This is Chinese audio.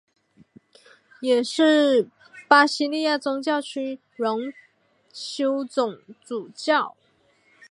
也是巴西利亚总教区荣休总主教。